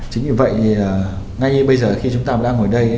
chính vì vậy ngay bây giờ khi chúng ta đang ngồi đây